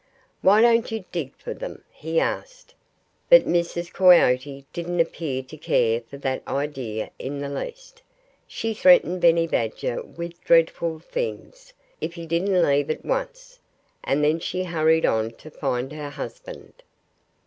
"Why don't you dig for them?" he asked. But Mrs. Coyote didn't appear to care for that idea in the least. She threatened Benny Badger with dreadful things, if he didn't leave at once. And then she hurried on to find her husband.